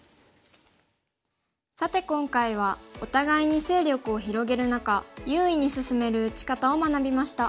さて今回はお互いに勢力を広げる中優位に進める打ち方を学びました。